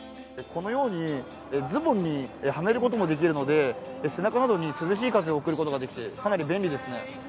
このようにズボンにはめることもできるので背中などに涼しい風を送ることができて、かなり便利ですね。